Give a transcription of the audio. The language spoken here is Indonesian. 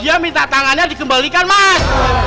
dia minta tangannya dikembalikan mas